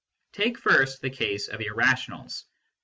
Take first the case of irrationals.